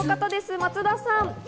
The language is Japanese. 松田さん。